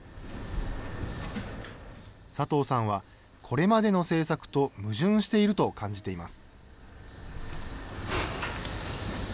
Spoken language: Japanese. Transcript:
佐藤さんはこれまでの政策と矛盾していると感じています。